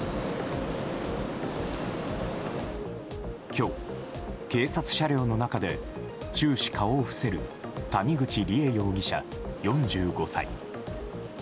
今日、警察車両の中で終始顔を伏せる谷口梨恵容疑者、４５歳。